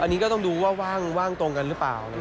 อันนี้ก็ต้องดูว่าว่างตรงกันหรือเปล่า